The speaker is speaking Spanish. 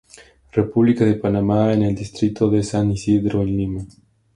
República de Panamá en el Distrito de San Isidro, en Lima.